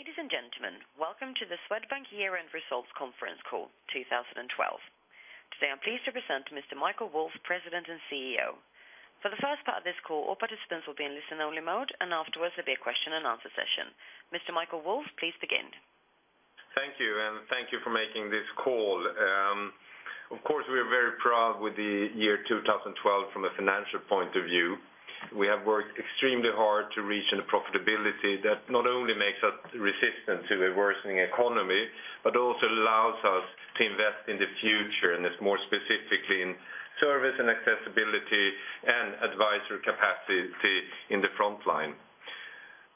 Ladies and gentlemen, welcome to the Swedbank Year-End Results Conference Call 2012. Today, I'm pleased to present Mr. Michael Wolf, President and CEO. For the first part of this call, all participants will be in listen-only mode, and afterwards, there'll be a question-and-answer session. Mr. Michael Wolf, please begin. Thank you, and thank you for making this call. Of course, we are very proud with the year 2012 from a financial point of view. We have worked extremely hard to reach a profitability that not only makes us resistant to a worsening economy, but also allows us to invest in the future, and it's more specifically in service and accessibility and advisory capacity in the frontline.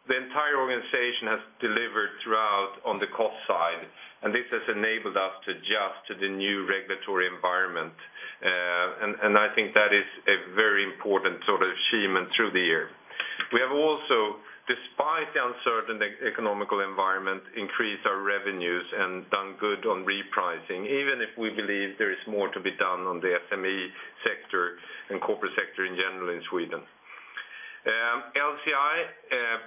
The entire organization has delivered throughout on the cost side, and this has enabled us to adjust to the new regulatory environment. I think that is a very important sort of achievement through the year. We have also, despite the uncertain economic environment, increased our revenues and done good on repricing, even if we believe there is more to be done on the SME sector and corporate sector in general in Sweden. LC&I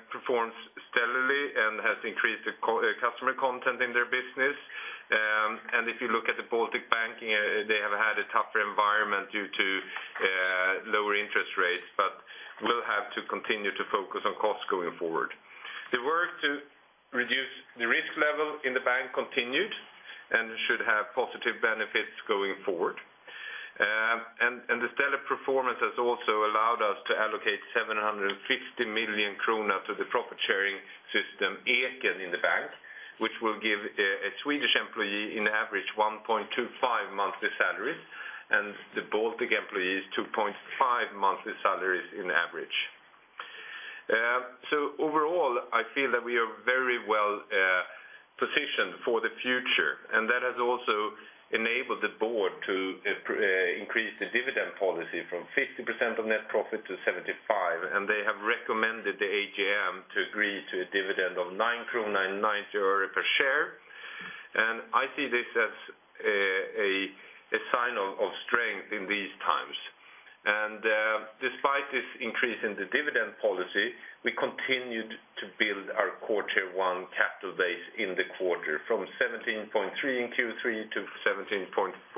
performs stellarly and has increased the customer content in their business. And if you look at the Baltic banking, they have had a tougher environment due to lower interest rates, but we'll have to continue to focus on costs going forward. The work to reduce the risk level in the bank continued and should have positive benefits going forward. And the stellar performance has also allowed us to allocate 750 million kronor to the profit-sharing system, Eken, in the bank, which will give a Swedish employee, in average, 1.25 monthly salaries, and the Baltic employees, 2.5 monthly salaries in average. Overall, I feel that we are very well positioned for the future, and that has also enabled the board to increase the dividend policy from 50% of net profit to 75%, and they have recommended the AGM to agree to a dividend of 9 krona and 9 euro per share. I see this as a sign of strength in these times. Despite this increase in the dividend policy, we continued to build our Core Tier 1 capital base in the quarter, from 17.3 in Q3 to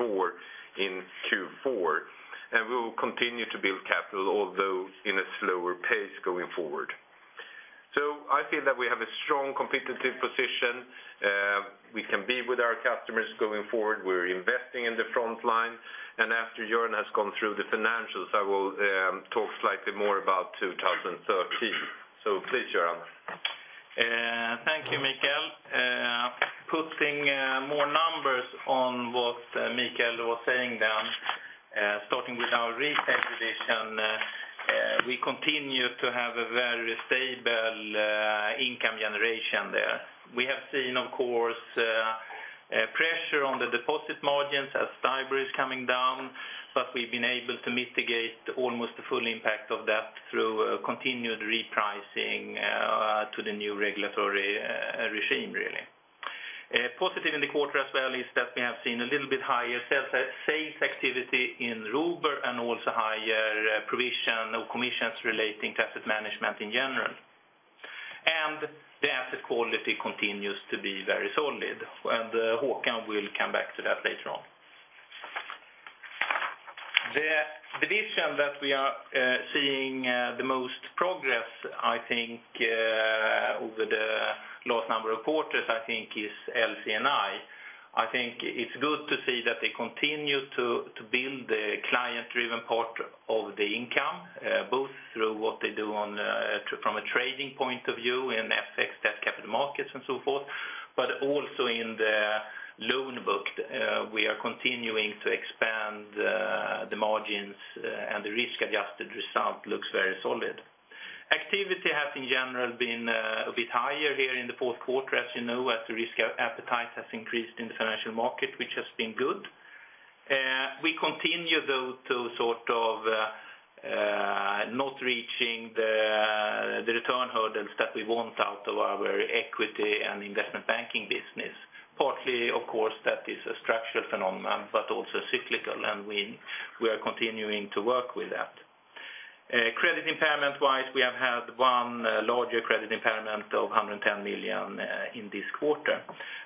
17.4 in Q4. We will continue to build capital, although at a slower pace going forward. I feel that we have a strong competitive position. We can be with our customers going forward. We're investing in the front line, and after Göran has gone through the financials, I will talk slightly more about 2013. Please, Göran. Thank you, Michael. Putting more numbers on what Michael was saying then, starting with our retail division, we continue to have a very stable income generation there. We have seen, of course, pressure on the deposit margins as STIBOR is coming down, but we've been able to mitigate almost the full impact of that through continued repricing to the new regulatory regime, really. Positive in the quarter as well is that we have seen a little bit higher sales activity in Robur and also higher provision or commissions relating to asset management in general. And the asset quality continues to be very solid, and Håkan will come back to that later on. The division that we are seeing the most progress, I think, over the last number of quarters, I think, is LC&I. I think it's good to see that they continue to build the client-driven part of the income, both through what they do on from a trading point of view in FX, debt, capital markets, and so forth, but also in the loan book, we are continuing to expand the margins, and the risk-adjusted result looks very solid. Activity has, in general, been a bit higher here in the fourth quarter, as you know, as the risk appetite has increased in the financial market, which has been good. We continue, though, to sort of not reaching the return hurdles that we want out of our equity and investment banking business. Partly, of course, that is a structural phenomenon, but also cyclical, and we are continuing to work with that. Credit impairment-wise, we have had one larger credit impairment of 110 million in this quarter,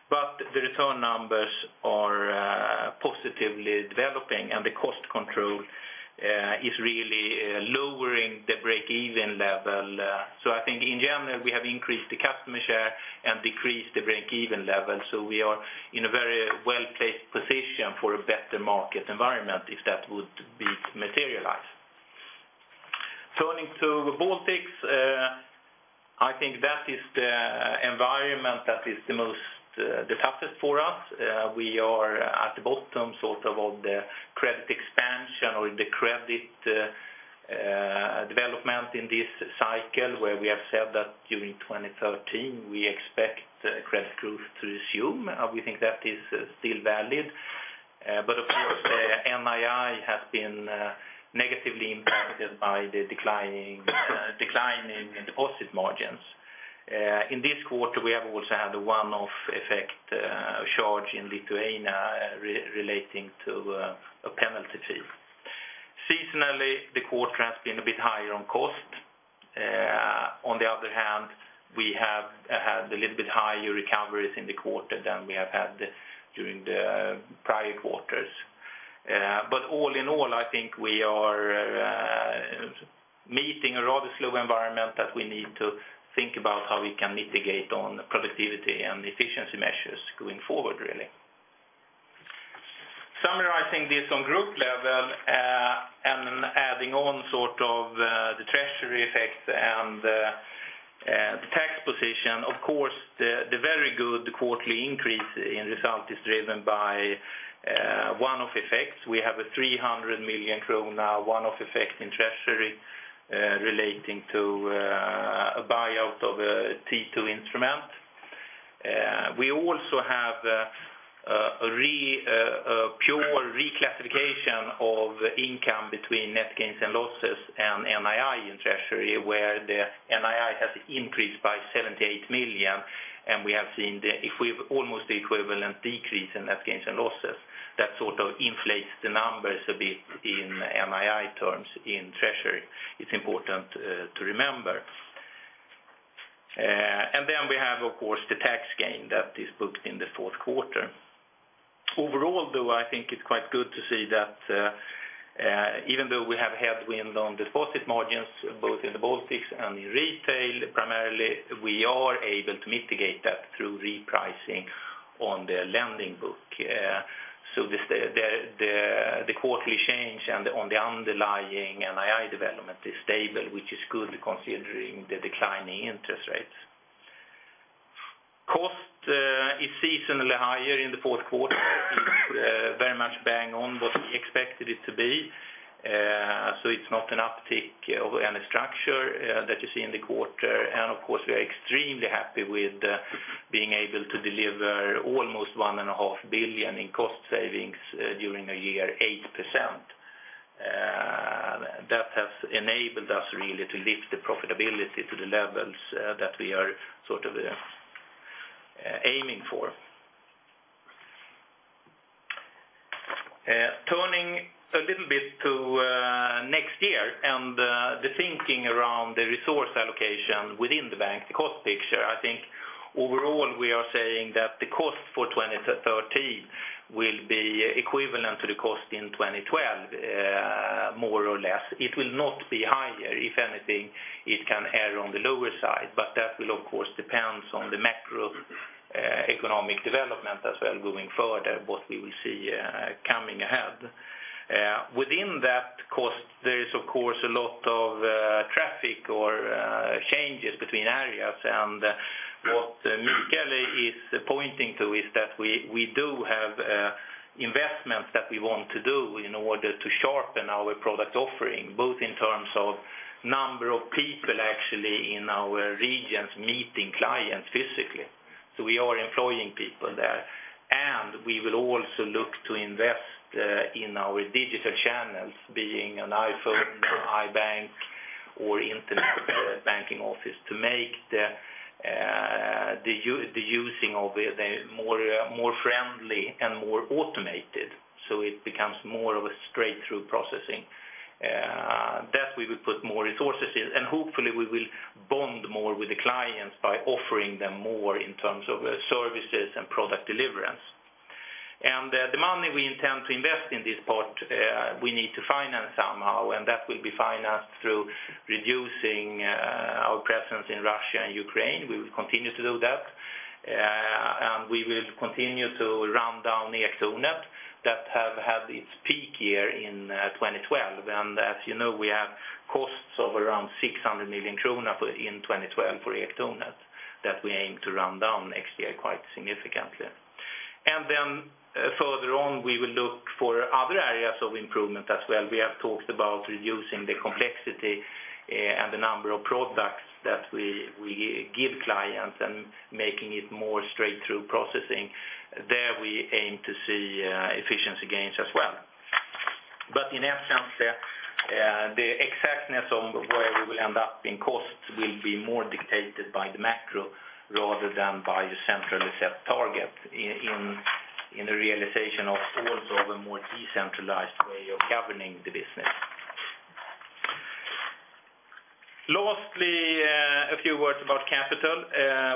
but the return numbers are positively developing, and the cost control is really lowering the break-even level. So I think in general, we have increased the customer share and decreased the break-even level, so we are in a very well-placed position for a better market environment, if that would be materialized. Turning to the Baltics, I think that is the environment that is the most the toughest for us. We are at the bottom, sort of, of the credit expansion or the credit development in this cycle, where we have said that during 2013, we expect credit growth to resume. We think that is still valid. But of course, the NII has been negatively impacted by the declining deposit margins. In this quarter, we have also had a one-off effect, Lithuania, relating to a penalty fee. Seasonally, the quarter has been a bit higher on cost. On the other hand, we have had a little bit higher recoveries in the quarter than we have had during the prior quarters. But all in all, I think we are meeting a rather slow environment that we need to think about how we can mitigate on productivity and efficiency measures going forward, really. Summarizing this on group level, and adding on sort of the treasury effect and the tax position, of course, the very good quarterly increase in result is driven by one-off effects. We have a 300 million krona one-off effect in treasury, relating to a buyout of a T2 instrument. We also have a pure reclassification of income between net gains and losses and NII in treasury, where the NII has increased by 78 million, and we have seen almost the equivalent decrease in net gains and losses, that sort of inflates the numbers a bit in NII terms in treasury, it's important to remember. And then we have, of course, the tax gain that is booked in the fourth quarter. Overall, though, I think it's quite good to see that even though we have headwind on deposit margins, both in the Baltics and in retail, primarily, we are able to mitigate that through repricing on the lending book. So the quarterly change and on the underlying NII development is stable, which is good considering the declining interest rates. Cost is seasonally higher in the fourth quarter, very much bang on what we expected it to be. So it's not an uptick of any structure that you see in the quarter. And of course, we are extremely happy with being able to deliver almost 1.5 billion in cost savings during a year, 8%. That has enabled us really to lift the profitability to the levels that we are sort of aiming for. Turning a little bit to next year and the thinking around the resource allocation within the bank, the cost picture, I think overall, we are saying that the cost for 2013 will be equivalent to the cost in 2012, more or less. It will not be higher. If anything, it can err on the lower side, but that will, of course, depend on the macro economic development as well going further, what we will see coming ahead. Within that cost, there is, of course, a lot of traffic or changes between areas. And what Michael is pointing to is that we do have investments that we want to do in order to sharpen our product offering, both in terms of number of people actually in our regions, meeting clients physically. So we are employing people there, and we will also look to invest in our digital channels, being an iPhone, iPad or internet banking office, to make the using of it more friendly and more automated, so it becomes more of a straight-through processing. That we would put more resources in, and hopefully, we will bond more with the clients by offering them more in terms of services and product deliverance. And the money we intend to invest in this part, we need to finance somehow, and that will be financed through reducing our presence in Russia and Ukraine. We will continue to do that. And we will continue to ramp down the Ektornet that have had its peak year in 2012. As you know, we have costs of around 600 million kronor in 2012 for Ektornet that we aim to ramp down next year quite significantly. Then further on, we will look for other areas of improvement as well. We have talked about reducing the complexity and the number of products that we give clients and making it more straight-through processing. There, we aim to see efficiency gains as well. But in essence, the exactness on where we will end up in costs will be more dictated by the macro rather than by the centrally set target in the realization of also of a more decentralized way of governing the business. Lastly, a few words about capital.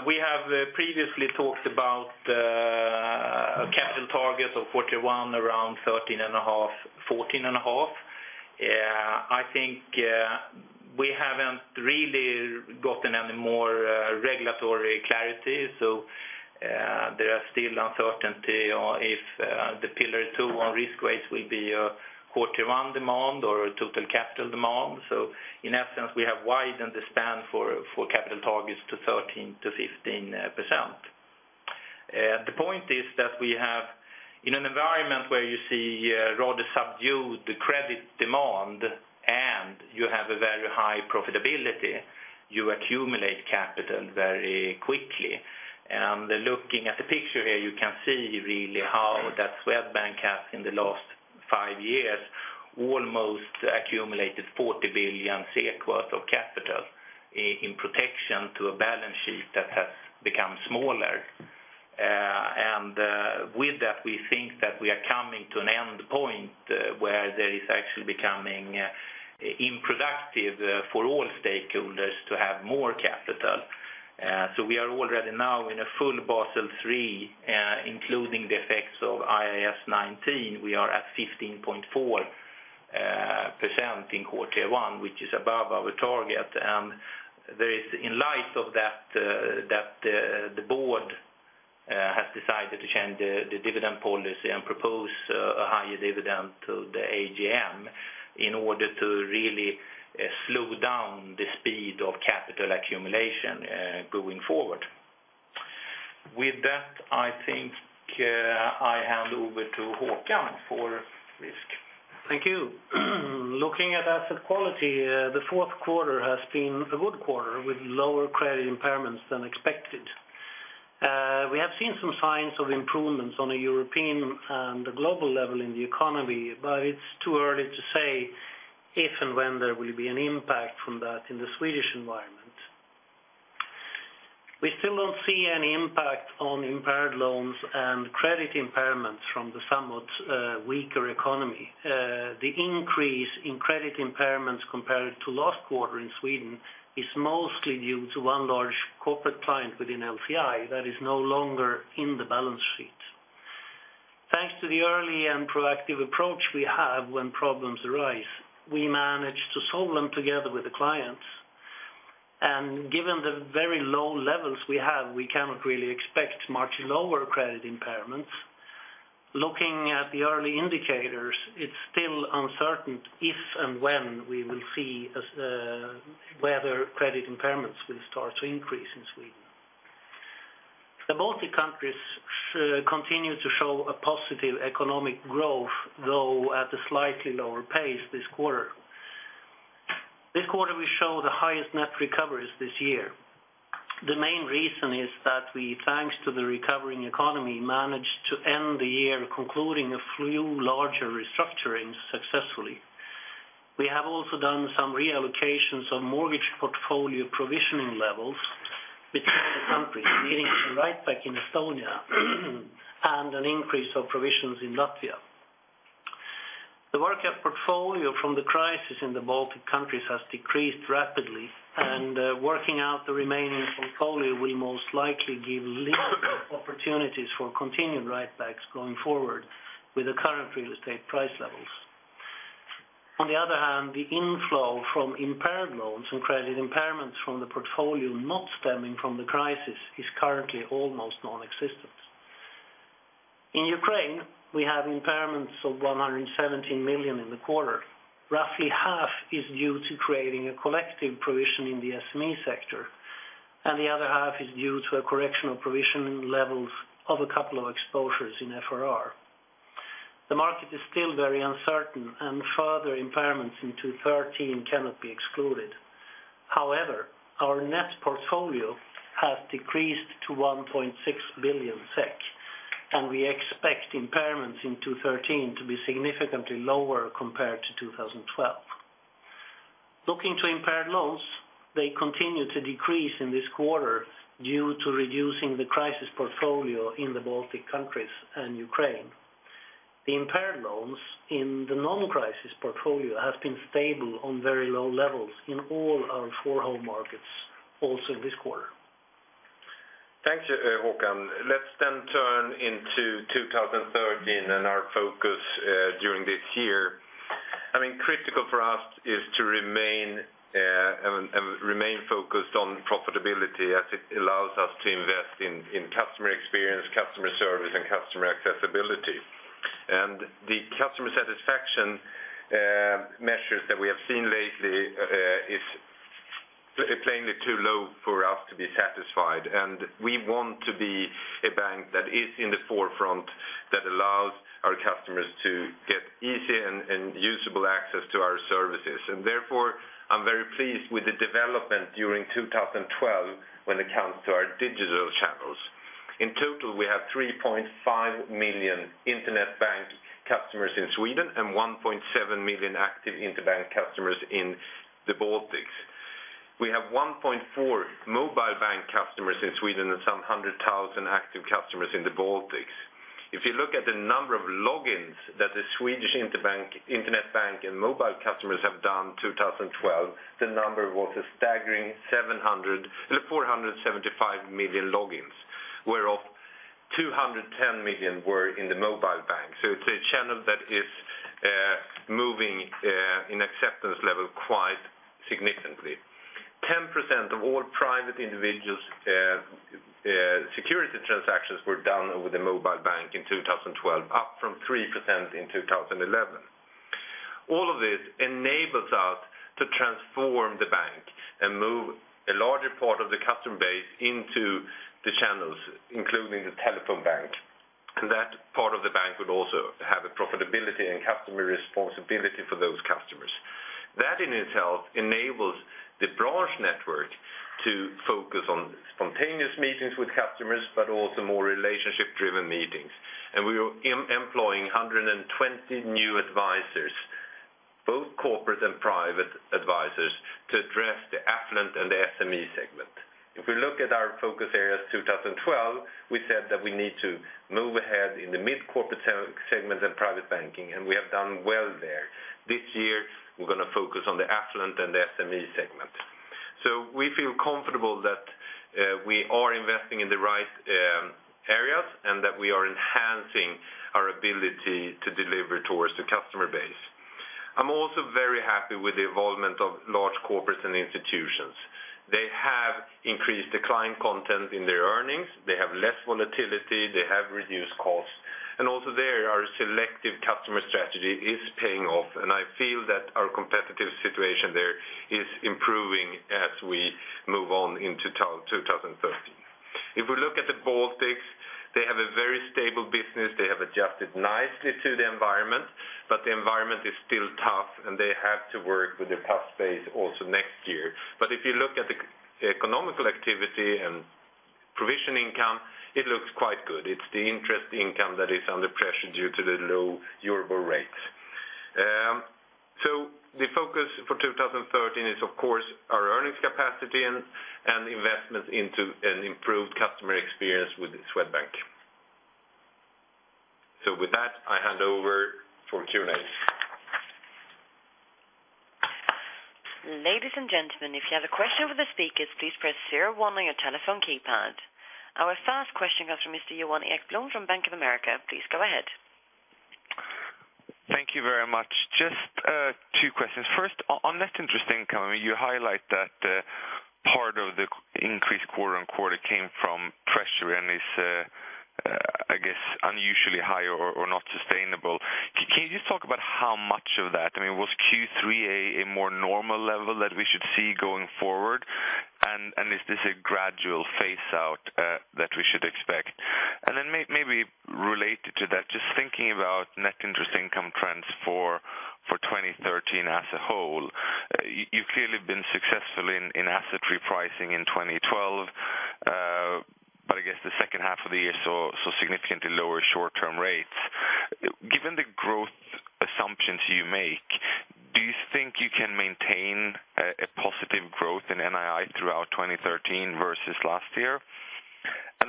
We have previously talked about a capital target of Core TIer 1, around 13.5, 14.5. I think, we haven't really gotten any more, regulatory clarity, so, there are still uncertainty on if, the Pillar 2 on risk rates will be a Core T 1 demand or a total capital demand. So in essence, we have widened the span for, for capital targets to 13%-15%. The point is that we have... In an environment where you see a rather subdued credit demand and you have a very high profitability, you accumulate capital very quickly. And looking at the picture here, you can see really how that Swedbank has, in the last... five years almost accumulated 40 billion worth of capital in protection to a balance sheet that has become smaller. And, with that, we think that we are coming to an end point where there is actually becoming unproductive for all stakeholders to have more capital. So we are already now in a full Basel III, including the effects of IAS 19, we are at 15.4% in quarter one, which is above our target. And there is in light of that, the board has decided to change the dividend policy and propose a higher dividend to the AGM in order to really slow down the speed of capital accumulation going forward. With that, I think I hand over to Håkan for risk. Thank you. Looking at asset quality, the fourth quarter has been a good quarter with lower credit impairments than expected. We have seen some signs of improvements on a European and a global level in the economy, but it's too early to say if and when there will be an impact from that in the Swedish environment. We still don't see any impact on impaired loans and credit impairments from the somewhat weaker economy. The increase in credit impairments compared to last quarter in Sweden is mostly due to one large corporate client within LC&I that is no longer in the balance sheet. Thanks to the early and proactive approach we have when problems arise, we manage to solve them together with the clients. And given the very low levels we have, we cannot really expect much lower credit impairments. Looking at the early indicators, it's still uncertain if and when we will see whether credit impairments will start to increase in Sweden. The Baltic countries continue to show a positive economic growth, though at a slightly lower pace this quarter. This quarter, we show the highest net recoveries this year. The main reason is that we, thanks to the recovering economy, managed to end the year concluding a few larger restructurings successfully. We have also done some reallocations on mortgage portfolio provisioning levels between the countries, meaning a reduction in Estonia, and an increase of provisions in Latvia. The workout portfolio from the crisis in the Baltic countries has decreased rapidly, and working out the remaining portfolio will most likely give little opportunities for continued write backs going forward with the current real estate price levels. On the other hand, the inflow from impaired loans and credit impairments from the portfolio not stemming from the crisis, is currently almost nonexistent. In Ukraine, we have impairments of 117 million in the quarter. Roughly half is due to creating a collective provision in the SME sector, and the other half is due to a correction of provisioning levels of a couple of exposures in FR&R. The market is still very uncertain, and further impairments in 2013 cannot be excluded. However, our net portfolio has decreased to 1.6 billion SEK, and we expect impairments in 2013 to be significantly lower compared to 2012. Looking to impaired loans, they continue to decrease in this quarter due to reducing the crisis portfolio in the Baltic countries and Ukraine. The impaired loans in the non-crisis portfolio have been stable on very low levels in all our four home markets, also this quarter. Thank you, Håkan. Let's then turn to 2013 and our focus during this year. I mean, critical for us is to remain remain focused on profitability as it allows us to invest in, in customer experience, customer service, and customer accessibility. The customer satisfaction measures that we have seen lately is plainly too low for us to be satisfied, and we want to be a bank that is in the forefront, that allows our customers to get easy and, and usable access to our services. Therefore, I'm very pleased with the development during 2012 when it comes to our digital channels. In total, we have 3.5 million internet bank customers in Sweden and 1.7 million active internet bank customers in the Baltics. We have 1.4 mobile bank customers in Sweden and some hundred thousand active customers in the Baltics. If you look at the number of logins that the Swedish internet bank, internet bank, and mobile customers have done in 2012, the number was a staggering 475 million logins, whereof 210 million were in the mobile bank. So it's a channel that is moving in acceptance level quite significantly. 10% of all private individuals security transactions were done over the mobile bank in 2012, up from 3% in 2011. All of this enables us to transform the bank and move a larger part of the customer base into the channels, including the telephone bank. And that part of the bank would also have a profitability and customer responsibility for those customers. That in itself enables the branch network to focus on spontaneous meetings with customers, but also more relationship-driven meetings. And we are employing 120 new advisors, both corporate and private advisors, to address the affluent and the SME segment. If we look at our focus areas, 2012, we said that we need to move ahead in the mid-corporate segment and private banking, and we have done well there. This year, we're gonna focus on the affluent and the SME segment. So we feel comfortable that we are investing in the right areas, and that we are enhancing our ability to deliver towards the customer base. I'm also very happy with the involvement of large corporates and institutions. They have increased the client content in their earnings, they have less volatility, they have reduced costs, and also there, our selective customer strategy is paying off, and I feel that our competitive situation there is improving as we move on into 2013. If we look at the Baltics, they have a very stable business. They have adjusted nicely to the environment, but the environment is still tough, and they have to work with the tough space also next year. But if you look at the economic activity and provision income, it looks quite good. It's the interest income that is under pressure due to the low Eurozone rates. So the focus for 2013 is, of course, our earnings capacity and investment into an improved customer experience with Swedbank. So with that, I hand over for Q&A. Ladies and gentlemen, if you have a question for the speakers, please press zero one on your telephone keypad. Our first question comes from Mr. Johan Ekblom from Bank of America. Please go ahead. Thank you very much. Just two questions. First, on net interest income, you highlight that part of the increased quarter-on-quarter came from treasury and is, I guess, unusually high or not sustainable. Can you just talk about how much of that? I mean, was Q3 a more normal level that we should see going forward, and is this a gradual phase out that we should expect? And then maybe related to that, just thinking about net interest income trends for 2013 as a whole, you clearly have been successful in asset repricing in 2012, but I guess the second half of the year saw significantly lower short-term rates. Given the growth assumptions you make, do you think you can maintain a positive growth in NII throughout 2013 versus last year?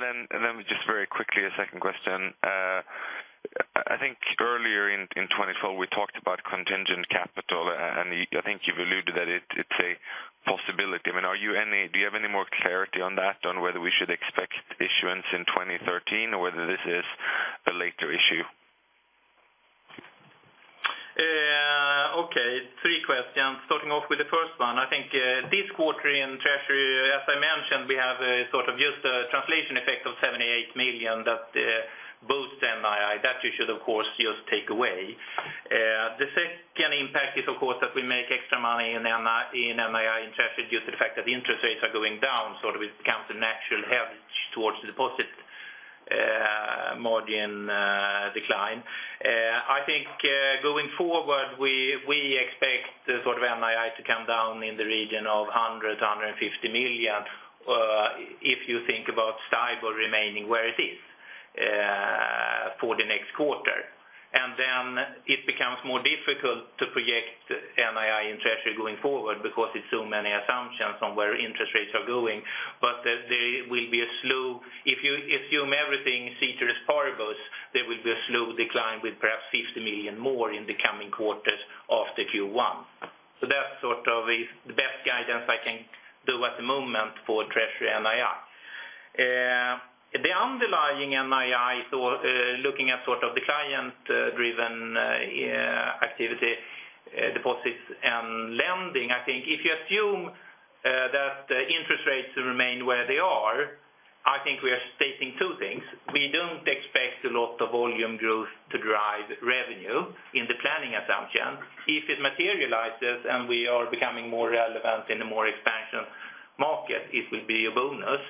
Then just very quickly, a second question. I think earlier in 2012, we talked about contingent capital, and I think you've alluded that it's a possibility. I mean, do you have any more clarity on that, on whether we should expect issuance in 2013 or whether this is a later issue? Okay, three questions. Starting off with the first one, I think, this quarter in treasury, as I mentioned, we have a sort of just a translation effect of 78 million that boosts NII. That you should, of course, just take away. The second impact is, of course, that we make extra money in NII in treasury due to the fact that the interest rates are going down, so it becomes a natural hedge towards the deposit margin decline. I think, going forward, we expect the sort of NII to come down in the region of 100 million-150 million, if you think about STIBOR remaining where it is, for the next quarter. And then it becomes more difficult to project NII in treasury going forward because it's so many assumptions on where interest rates are going. But there will be a slow... If you assume everything, ceteris paribus, there will be a slow decline with perhaps 50 million more in the coming quarters after Q1. So that sort of is the best guidance I can do at the moment for treasury NII. The underlying NII, so looking at sort of the client-driven activity, deposits and lending, I think if you assume that interest rates remain where they are, I think we are stating two things. We don't expect a lot of volume growth to drive revenue in the planning assumption. If it materializes and we are becoming more relevant in a more expansion market, it will be a bonus.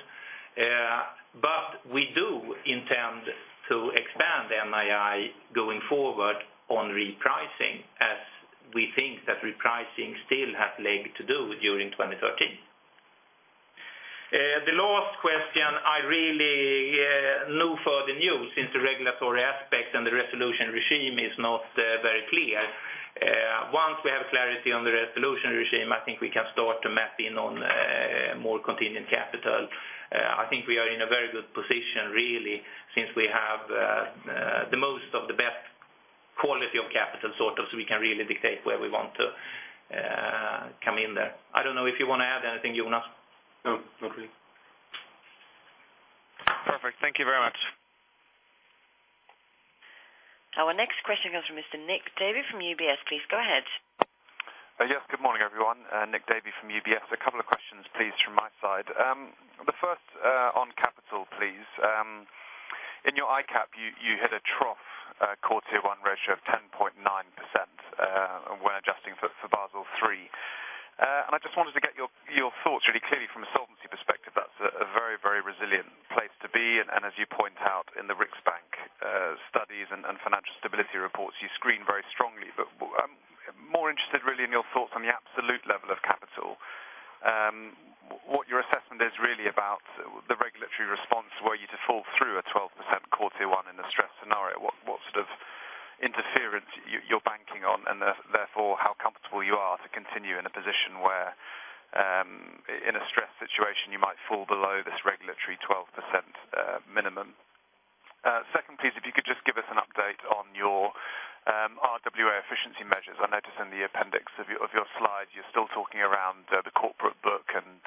But we do intend to expand NII going forward on repricing, as we think that repricing still has leg to do during 2013. The last question, I really no further news since the regulatory aspects and the resolution regime is not very clear. Once we have clarity on the resolution regime, I think we can start to map in on more continuing capital. I think we are in a very good position, really, since we have the most of the best quality of capital, sort of, so we can really dictate where we want to come in there. I don't know if you want to add anything, Jonas? No, nothing. Perfect. Thank you very much. Our next question comes from Mr. Nick Davey from UBS. Please go ahead. Yes, good morning, everyone, Nick Davey from UBS. A couple of questions, please, from my side. The first, on capital, please. In your ICAAP, you hit a trough, quarter one ratio of 10.9%, when adjusting for Basel III. And I just wanted to get your thoughts really clearly from a solvency perspective. That's a very resilient place to be, and as you point out, in the Riksbank studies and financial stability reports you screen very strongly. But more interested really in your thoughts on the absolute level of capital. What your assessment is really about the regulatory response, were you to fall through a 12% quarter one in the stress scenario, what sort of interference you're banking on? Therefore, how comfortable you are to continue in a position where, in a stress situation, you might fall below this regulatory 12% minimum. Second piece, if you could just give us an update on your RWA efficiency measures. I noticed in the appendix of your slides, you're still talking around the corporate book and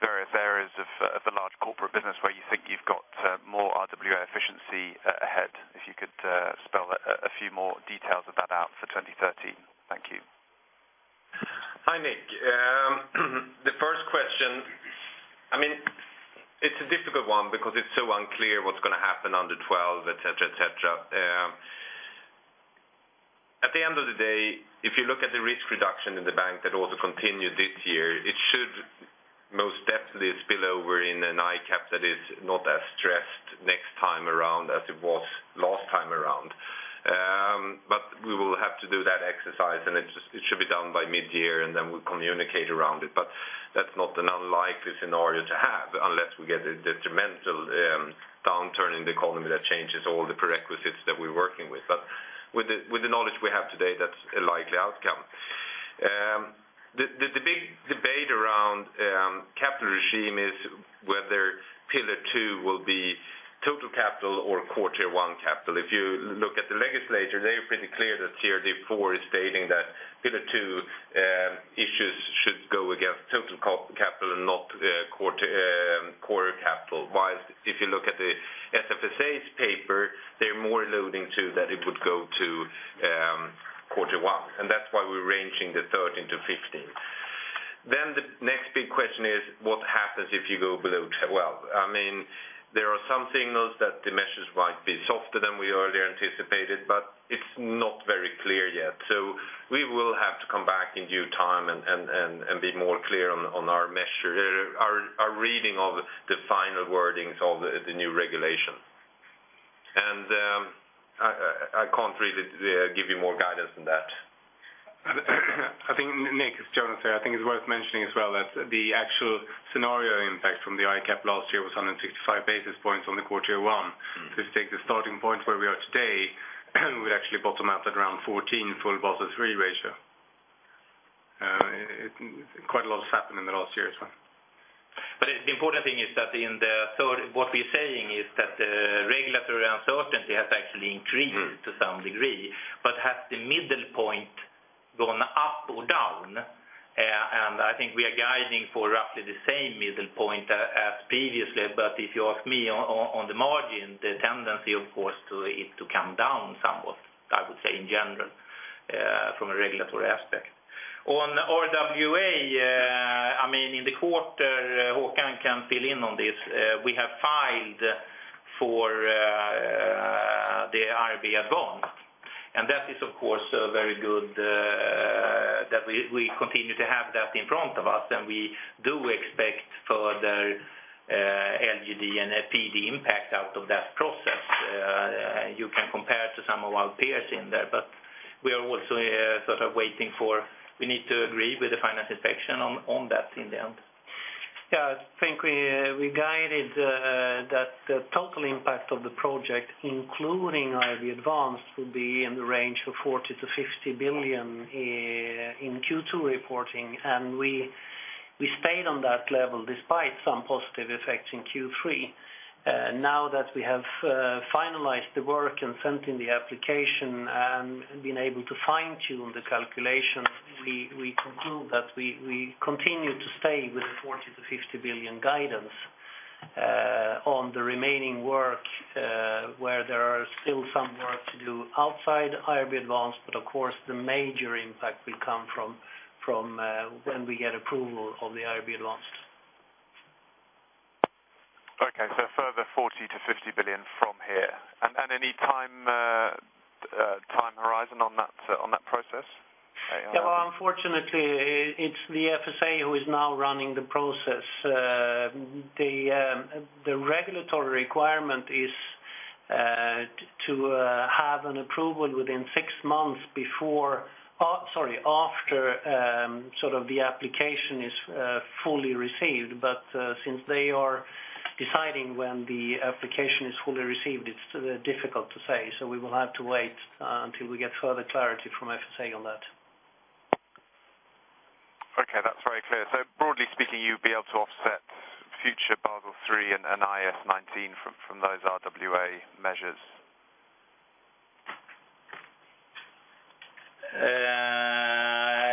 various areas of the large corporate business where you think you've got more RWA efficiency ahead. If you could spell a few more details of that out for 2013. Thank you. Hi, Nick. The first question, I mean, it's a difficult one because it's so unclear what's gonna happen under twelve, et cetera, et cetera. At the end of the day, if you look at the risk reduction in the bank that also continued this year, it should most definitely spill over in an ICAAP that is not as stressed next time around as it was last time around. But we will have to do that exercise, and it should be done by mid-year, and then we'll communicate around it. But that's not an unlikely scenario to have, unless we get a detrimental downturn in the economy that changes all the prerequisites that we're working with. But with the knowledge we have today, that's a likely outcome. The big debate around capital regime is whether Pillar 2 will be total capital or quarter one capital. If you look at the legislation, they are pretty clear that CRD IV is stating that Pillar 2 issues should go against total capital and not Core Tier 1 capital. While if you look at the SFSA's paper, they're more alluding to that it would go to quarter one, and that's why we're ranging the 13-15. Then the next big question is, what happens if you go below 12? I mean, there are some signals that the measures might be softer than we earlier anticipated, but it's not very clear yet. So we will have to come back in due time and be more clear on our measure, our reading of the final wordings of the new regulation. And I can't really give you more guidance than that. I think, Nick, it's Jonas here. I think it's worth mentioning as well that the actual scenario impact from the ICAAP last year was 165 basis points on the quarter one. To take the starting point where we are today, we actually bottom out at around 14 full Basel III ratio. It, quite a lot has happened in the last year as well. But the important thing is that... What we're saying is that the regulatory uncertainty has actually increased- Mm-hmm. To some degree, but has the middle point gone up or down? And I think we are guiding for roughly the same middle point as previously. But if you ask me on the margin, the tendency, of course, to come down somewhat, I would say, in general, from a regulatory aspect. On RWA, I mean, in the quarter, Håkan can fill in on this, we have filed for the IRB Advanced, and that is, of course, a very good that we continue to have that in front of us, and we do expect further LGD and PD impact out of that process. You can compare to some of our peers in there, but we are also sort of waiting for... We need to agree with the Finansinspektionen on that in the end. Yeah, I think we, we guided, that the total impact of the project, including, the advanced, would be in the range of 40 billion-50 billion, in Q2 reporting. We stayed on that level despite some positive effects in Q3. Now that we have finalized the work and sent in the application and been able to fine-tune the calculations, we, we conclude that we, we continue to stay with the 40 billion-50 billion guidance, on the remaining work, where there are still some work to do outside IRB Advanced, but of course, the major impact will come from, from, when we get approval on the IRB Advanced. Okay, so a further 40 billion-50 billion from here. And any time, time horizon on that, on that process? Yeah, well, unfortunately, it's the FSA who is now running the process. The regulatory requirement is to have an approval within six months before... Sorry, after, sort of the application is fully received. But since they are deciding when the application is fully received, it's difficult to say. So we will have to wait until we get further clarity from FSA on that. Okay, that's very clear. So broadly speaking, you'd be able to offset future Basel III and IFRS 9 from those RWA measures?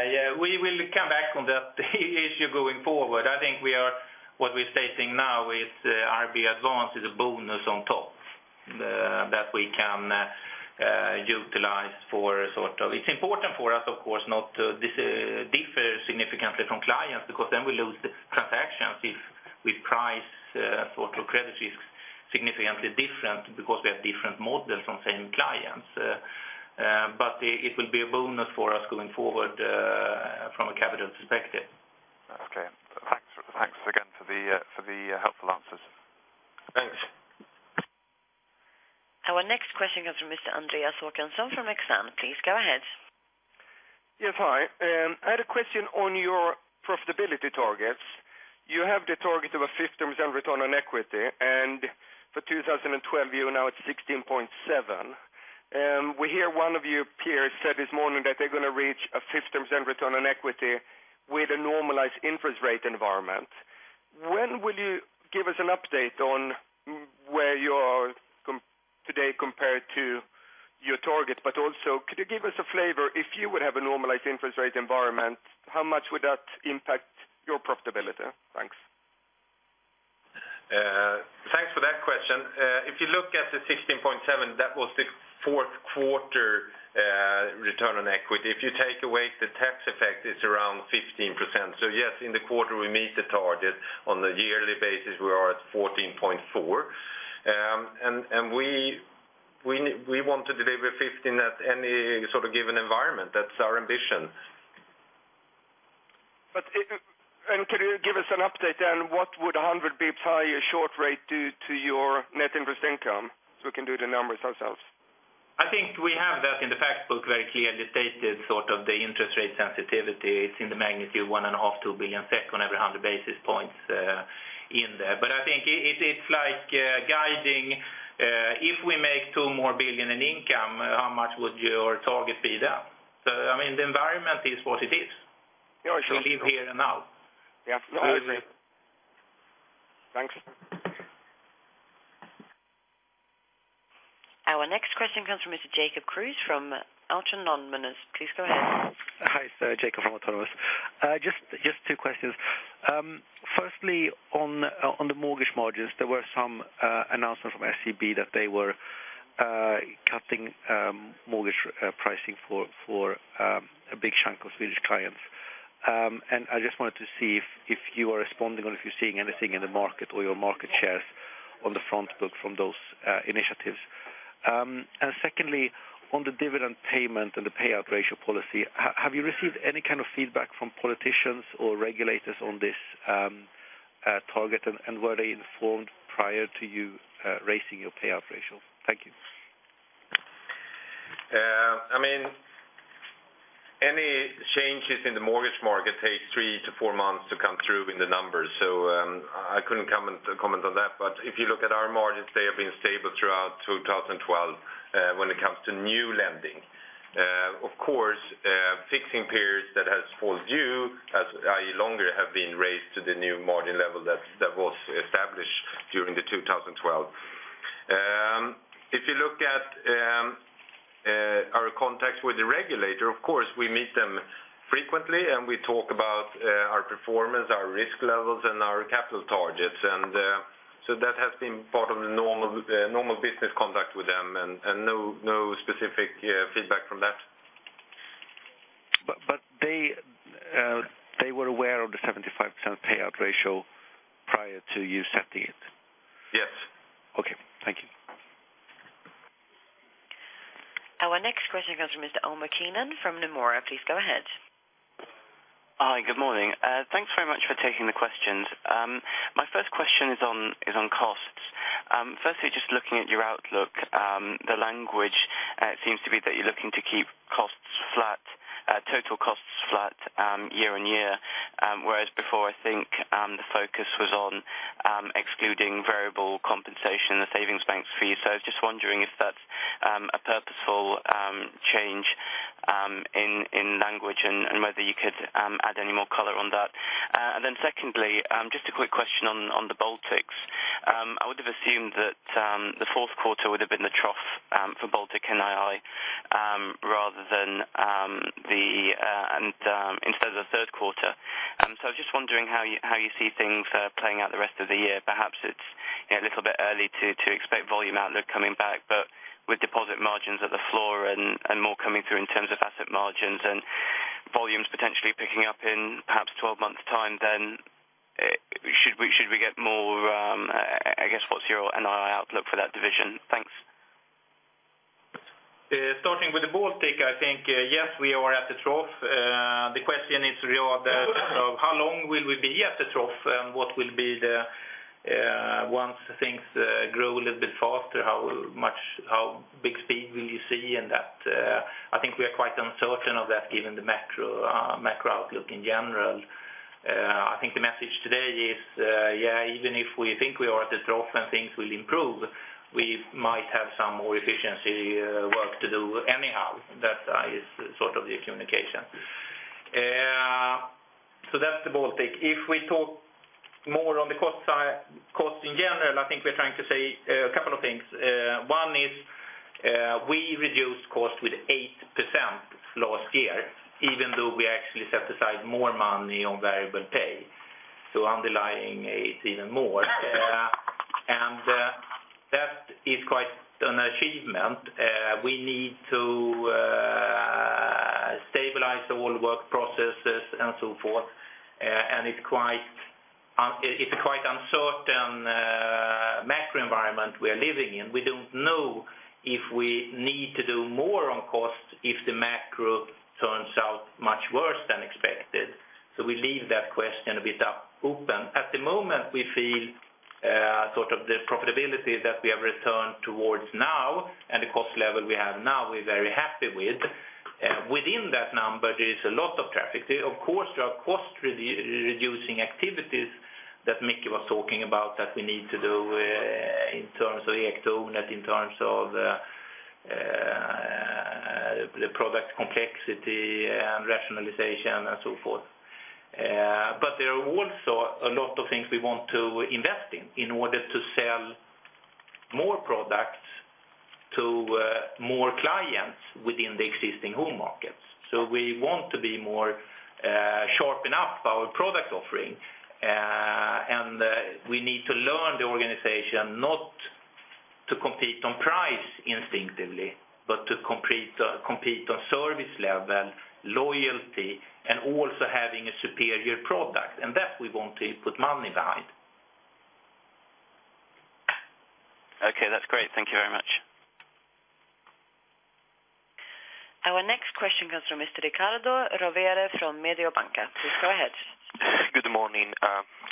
Yeah, we will come back on that issue going forward. I think what we're stating now is, IRB Advanced is a bonus on top that we can utilize for sort of... It's important for us, of course, not to differ significantly from clients, because then we lose the transactions if we price sort of credit risks significantly different because we have different models from same clients. But it will be a bonus for us going forward from a capital perspective. Okay. ... the for the helpful answers. Thanks. Our next question comes from Mr. Andreas Håkansson from Exane. Please go ahead. Yes, hi. I had a question on your profitability targets. You have the target of a 15% return on equity, and for 2012, you are now at 16.7%. We hear one of your peers said this morning that they're going to reach a 15% return on equity with a normalized interest rate environment. When will you give us an update on where you are compared today to your target? But also, could you give us a flavor, if you would have a normalized interest rate environment, how much would that impact your profitability? Thanks. Thanks for that question. If you look at the 16.7, that was the fourth quarter return on equity. If you take away the tax effect, it's around 15%. So yes, in the quarter, we meet the target. On the yearly basis, we are at 14.4. And we want to deliver 15 at any sort of given environment. That's our ambition. Could you give us an update on what would 100 be by your short rate due to your net interest income, so we can do the numbers ourselves? I think we have that in the fact book, very clearly stated, sort of the interest rate sensitivity. It's in the magnitude 1.5 billion-2 billion SEK on every 100 basis points, in there. But I think it, it's like, guiding, if we make 2 billion more in income, how much would your target be down? So I mean, the environment is what it is. Yeah, sure. We live here and now. Yeah. I agree. Thanks. Our next question comes from Mr. Jacob Kruse from Autonomous. Please go ahead. Hi, Sir. Jacob from Autonomous. Just two questions. Firstly, on the mortgage margins, there were some announcements from SEB that they were cutting mortgage pricing for a big chunk of Swedish clients. And I just wanted to see if you are responding or if you're seeing anything in the market or your market shares on the front book from those initiatives. And secondly, on the dividend payment and the payout ratio policy, have you received any kind of feedback from politicians or regulators on this target? And were they informed prior to you raising your payout ratio? Thank you. I mean, any changes in the mortgage market takes three to four months to come through in the numbers, so I couldn't comment on that. But if you look at our margins, they have been stable throughout 2012, when it comes to new lending. Of course, fixing periods that has fallen due, as i.e. longer, have been raised to the new margin level that was established during 2012. If you look at our contacts with the regulator, of course, we meet them frequently, and we talk about our performance, our risk levels, and our capital targets. So that has been part of the normal business contact with them, and no specific feedback from that. But they were aware of the 75% payout ratio prior to you setting it? Yes. Okay. Thank you. Our next question comes from Mr. Omar Keenan from Nomura. Please go ahead. Hi, good morning. Thanks very much for taking the questions. My first question is on costs. Firstly, just looking at your outlook, the language seems to be that you're looking to keep costs flat, total costs flat, year-on-year. Whereas before, I think, the focus was on excluding variable compensation, the savings banks fee. So I was just wondering if that's a purposeful change in language, and whether you could add any more color on that. And then secondly, just a quick question on the Baltics. I would have assumed that the fourth quarter would have been the trough for Baltic NII, rather than the and instead of the third quarter. So I was just wondering how you see things playing out the rest of the year. Perhaps it's a little bit early to expect volume outlook coming back, but with deposit margins at the floor and more coming through in terms of asset margins and volumes potentially picking up in perhaps 12 months time, then should we get more... I guess, what's your NII outlook for that division? Thanks. Starting with the Baltic, I think, yes, we are at the trough. The question is really about, how long will we be at the trough, and what will be the, once things, grow a little bit faster, how much, how big speed will you see in that? I think we are quite uncertain of that, given the macro, macro outlook in general. I think the message today is, yeah, even if we think we are at the trough and things will improve, we might have some more efficiency, work to do anyhow. That is sort of the communication. So that's the Baltic. If we talk more on the cost side, cost in general, I think we're trying to say a couple of things. One is, we reduced cost with 8% last year, even though we actually set aside more money on variable pay. So underlying it even more, and that is quite an achievement. We need to stabilize all work processes and so forth, and it's quite uncertain environment we are living in. We don't know if we need to do more on costs if the macro turns out much worse than expected. So we leave that question a bit open. At the moment, we feel sort of the profitability that we have returned towards now and the cost level we have now, we're very happy with. Within that number, there is a lot of traffic. Of course, there are cost reducing activities that Mickey was talking about that we need to do in terms of Ektornet, in terms of the product complexity and rationalization, and so forth. But there are also a lot of things we want to invest in, in order to sell more products to more clients within the existing home markets. So we want to be more sharpen up our product offering, and we need to learn the organization not to compete on price instinctively, but to compete on service level, loyalty, and also having a superior product, and that we want to put money behind. Okay, that's great. Thank you very much. Our next question comes from Mr. Riccardo Rovere from Mediobanca. Please go ahead. Good morning.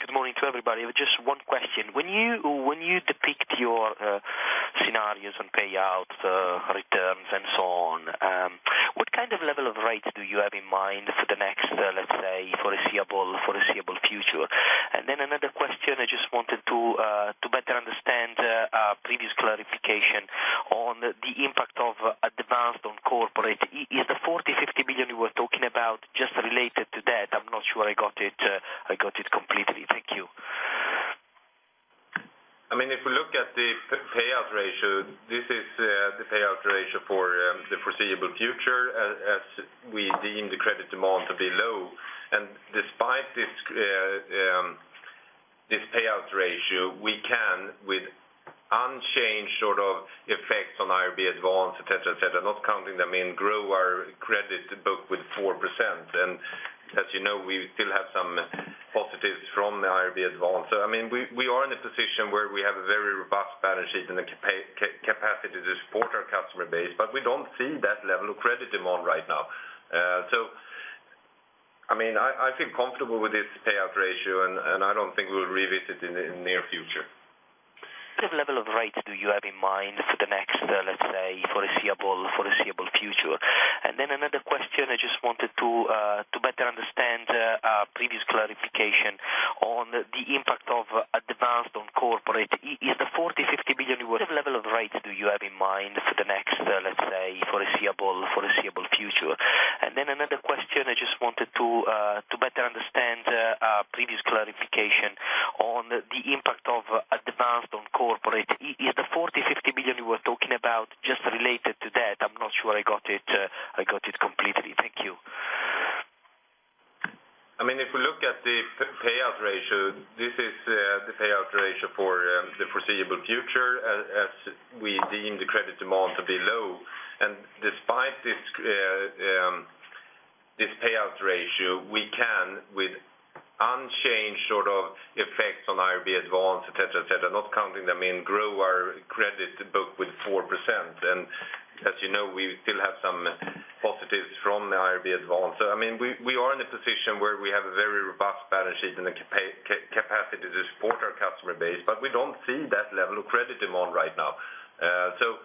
Good morning to everybody. Just one question. When you depict your scenarios on payouts, returns, and so on, what kind of level of rate do you have in mind for the next, let's say, foreseeable future? And then another question, I just wanted to better understand previous clarification on the impact of advanced on corporate. Is the 40 billion-50 billion you were talking about just related to that? I'm not sure I got it completely. Thank you. I mean, if we look at the payout ratio, this is the payout ratio for the foreseeable future, as we deem the credit demand to be low. Despite this payout ratio, we can, with unchanged sort of effects on IRB Advanced, et cetera, et cetera, not counting them in, grow our credit book with 4%. And as you know, we still have some positives from the IRB Advanced. So, I mean, we are in a position where we have a very robust balance sheet and the capacity to support our customer base, but we don't see that level of credit demand right now. So, I mean, I feel comfortable with this payout ratio, and I don't think we'll revisit it in the near future. What level of rates do you have in mind for the next, let's say, foreseeable future? And then another question, I just wanted to better understand previous clarification on the impact of advanced on corporate. Is the 40-50 billion... What level of rates do you have in mind for the next, let's say, foreseeable future? And then another question, I just wanted to better understand previous clarification on the impact of advanced on corporate. Is the SEK 40 billion-SEK 50 billion you were talking about just related to that? I'm not sure I got it completely. Thank you. I mean, if we look at the payout ratio, this is the payout ratio for the foreseeable future, as we deem the credit demand to be low. And despite this payout ratio, we can, with unchanged sort of effects on IRB Advanced, et cetera, et cetera, not counting them in, grow our credit book with 4%. And as you know, we still have some positives from the IRB Advanced. So, I mean, we are in a position where we have a very robust balance sheet and the capacity to support our customer base, but we don't see that level of credit demand right now. So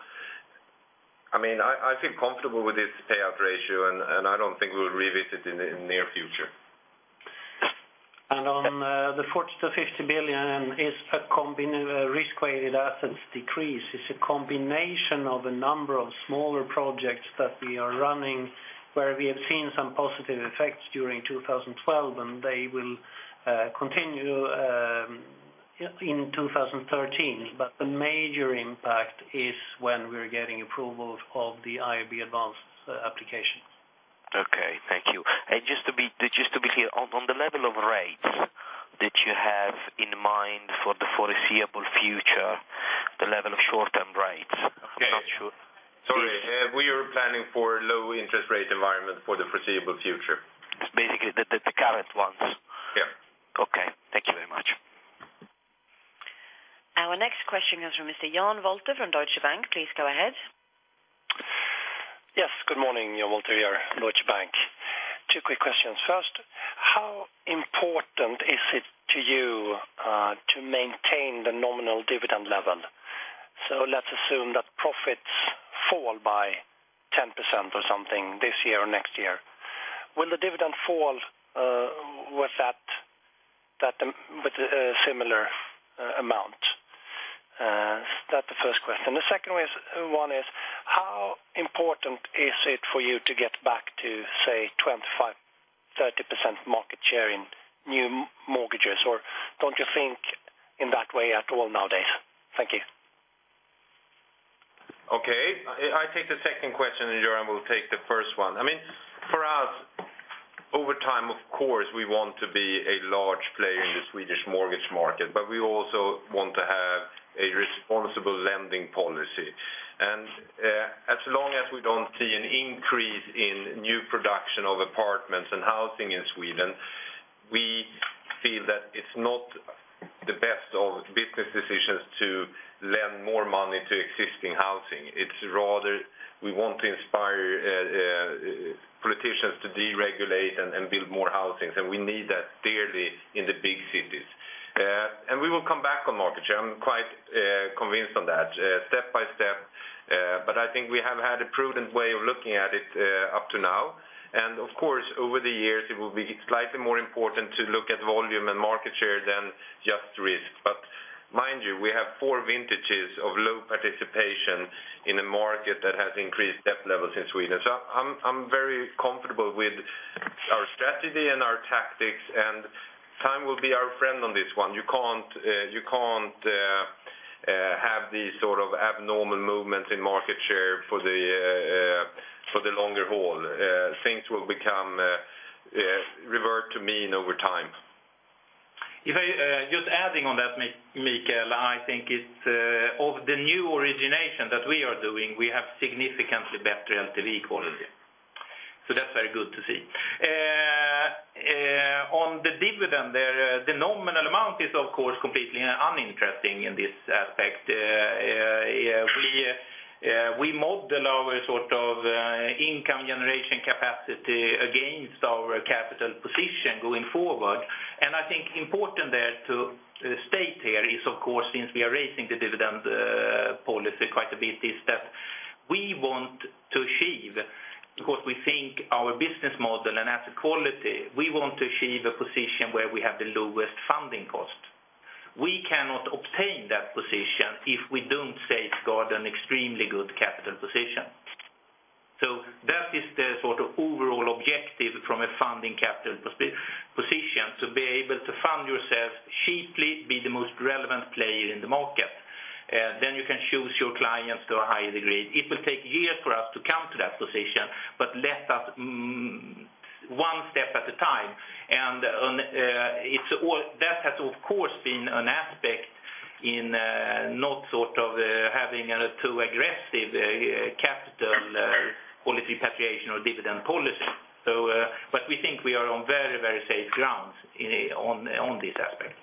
I mean, I feel comfortable with this payout ratio, and I don't think we'll revisit in the near future. On the 40 billion-50 billion is a combination risk-weighted assets decrease. It's a combination of a number of smaller projects that we are running, where we have seen some positive effects during 2012, and they will continue in 2013. But the major impact is when we are getting approval of the IRB Advanced application. Okay, thank you. Just to be clear, on the level of rates that you have in mind for the foreseeable future, the level of short-term rates. I'm not sure. Sorry, we are planning for low interest rate environment for the foreseeable future. Basically, the current ones? Yeah. Okay. Thank you very much. Our next question comes from Mr. Jan Wolter from Deutsche Bank. Please go ahead. Yes, good morning, Jan Wolter here, Deutsche Bank. Two quick questions. First, how important is it to you to maintain the nominal dividend level? So let's assume that profits fall by 10% or something this year or next year. Will the dividend fall with that, that with a similar amount? Is that the first question. The second one is, how important is it for you to get back to, say, 25%-30% market share in new mortgages, or don't you think in that way at all nowadays? Thank you. Okay, I take the second question, and Johan will take the first one. I mean, for us, over time, of course, we want to be a large player in the Swedish mortgage market, but we also want to have a responsible- ... as long as we don't see an increase in new production of apartments and housing in Sweden, we feel that it's not the best of business decisions to lend more money to existing housing. It's rather we want to inspire politicians to deregulate and build more housings, and we need that dearly in the big cities. And we will come back on market share. I'm quite convinced on that step by step. But I think we have had a prudent way of looking at it up to now. And of course, over the years, it will be slightly more important to look at volume and market share than just risk. But mind you, we have four vintages of low participation in a market that has increased debt levels in Sweden. So I'm very comfortable with our strategy and our tactics, and time will be our friend on this one. You can't have these sort of abnormal movements in market share for the longer haul. Things will revert to mean over time. If I just adding on that, Mikael, I think it's of the new origination that we are doing, we have significantly better LTV quality, so that's very good to see. We, we model our sort of income generation capacity against our capital position going forward. And I think important there to state here is, of course, since we are raising the dividend policy quite a bit, is that we want to achieve, because we think our business model and asset quality, we want to achieve a position where we have the lowest funding cost. We cannot obtain that position if we don't safeguard an extremely good capital position. That is the sort of overall objective from a funding capital position, to be able to fund yourself cheaply, be the most relevant player in the market. You can choose your clients to a higher degree. It will take years for us to come to that position, but let us, one step at a time. It's all... That has, of course, been an aspect in not sort of having a too aggressive capital policy, repatriation or dividend policy. We think we are on very, very safe grounds in, on, on this aspect.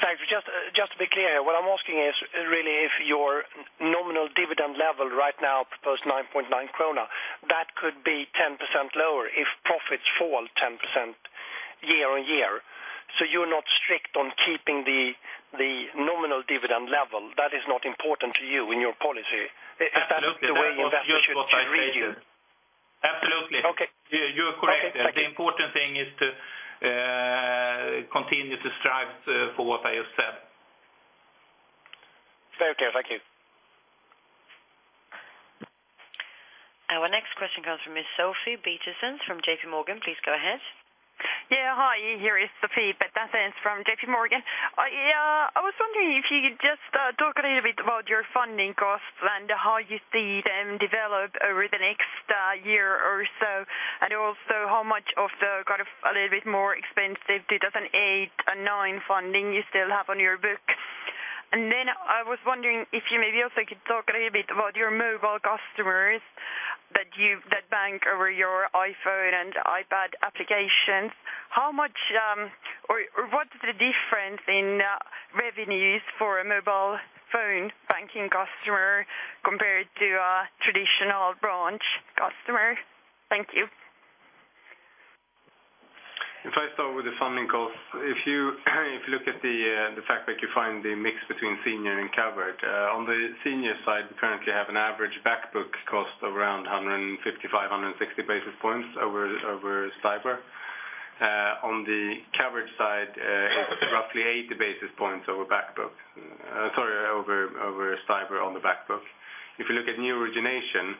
Thanks. Just, just to be clear, what I'm asking is really if your nominal dividend level right now proposed 9.9 krona, that could be 10% lower if profits fall 10% year-on-year. So you're not strict on keeping the nominal dividend level. That is not important to you in your policy? Absolutely. If that's the way investors should read you. Absolutely. Okay. You are correct. Okay, thank you. The important thing is to continue to strive for what I just said. Very clear. Thank you. Our next question comes from Ms. Sofie Peterzens from JPMorgan. Please go ahead. Yeah. Hi, here is Sofie Peterzens from JPMorgan. I, I was wondering if you could just, talk a little bit about your funding costs and how you see them develop over the next, year or so, and also how much of the, kind of, a little bit more expensive 2008 and 2009 funding you still have on your book? And then I was wondering if you maybe also could talk a little bit about your mobile customers that bank over your iPhone and iPad applications. How much, or, or what's the difference in, revenues for a mobile phone banking customer compared to a traditional branch customer? Thank you. If I start with the funding costs, if you look at the fact that you find the mix between senior and covered, on the senior side, we currently have an average back book cost of around 155, 160 basis points over STIBOR. On the covered side, it's roughly 80 basis points over back book. Sorry, over STIBOR on the back book. If you look at new origination,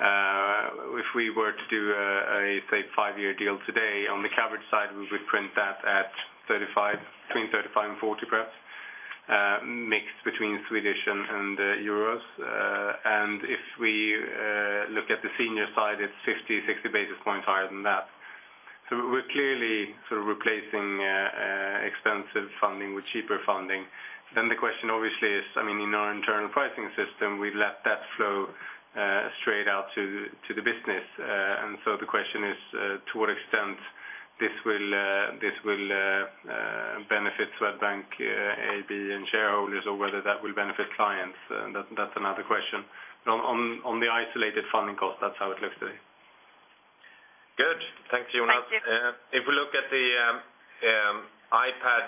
if we were to do a say five year deal today, on the covered side, we would print that at 35, between 35 and 40, perhaps, mixed between Swedish and euros. And if we look at the senior side, it's 50, 60 basis points higher than that. So we're clearly sort of replacing expensive funding with cheaper funding. Then the question obviously is, I mean, in our internal pricing system, we let that flow straight out to the business. And so the question is, to what extent this will benefit Swedbank AB and shareholders, or whether that will benefit clients, that's another question. But on the isolated funding cost, that's how it looks today. Good. Thanks, Jonas. If we look at the iPad,